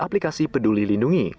aplikasi peduli lindungi